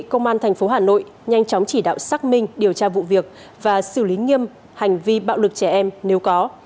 công an tp hà nội nhanh chóng chỉ đạo xác minh điều tra vụ việc và xử lý nghiêm hành vi bạo lực trẻ em nếu có